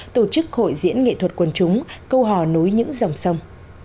tổ chức hội diễn nghệ thuật quần chúng câu hò nối những dòng sông